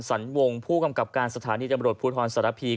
สรรวงผู้กำกับการสถานีตำรวจพูดธรรมศาสตรภีร์